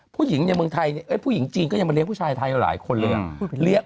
ผู้หญิงในเมืองไทยผู้หญิงจีนก็ยังมาเลี้ยผู้ชายไทยหลายคนเลย